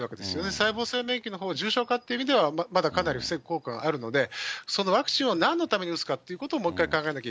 細胞性免疫のほうで重症化っていう意味ではかなりまだ防ぐ効果があるので、ワクチンをなんのために打つかということをもう一回考えなきゃい